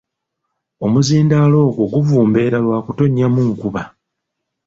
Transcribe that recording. Omuzindaalo ogwo guvumbeera lwa kutonnyamu nkuba.